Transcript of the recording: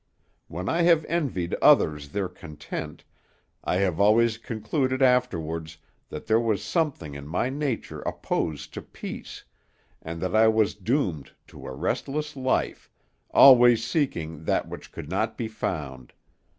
When I have envied others their content, I have always concluded afterwards that there was something in my nature opposed to peace, and that I was doomed to a restless life, always seeking that which could not be found.